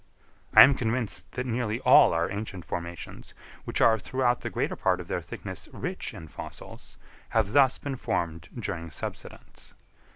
I am convinced that nearly all our ancient formations, which are throughout the greater part of their thickness rich in fossils, have thus been formed during subsidence.